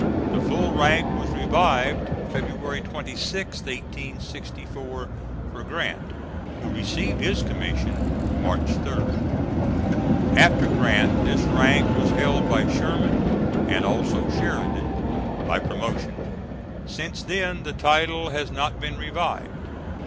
The full rank was revived February 26, 1864, for Grant, who received his commission March 3d. After Grant this rank was held by Sherman and also Sheridan, by promotion; since then the title has not been revived.